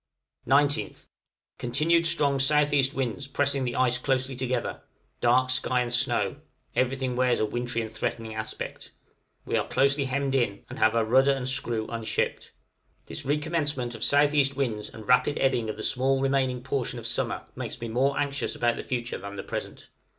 19th. Continued strong S.E. winds, pressing the ice closely together, dark sky and snow; everything wears a wintry and threatening aspect; we are closely hemmed in, and have our rudder and screw unshipped. This recommencement of S.E. winds and rapid ebbing of the small remaining portion of summer makes me more anxious about the future than the present.